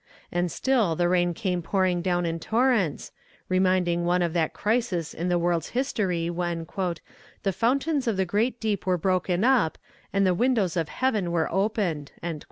And still the rain came pouring down in torrents, reminding one of that crisis in the world's history when "the fountains of the great deep were broken up, and the windows of heaven were opened."